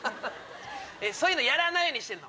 そういうのやらないようにしてんの。